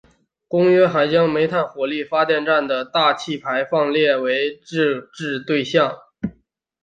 公约还将煤炭火力发电站的大气排放列为规制对象。